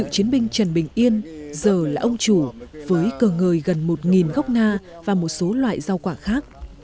chiến binh trần bình yên giờ là ông chủ với cờ ngời gần một gốc na và một số loại rau quả khác